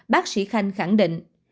bác sĩ khanh khẳng định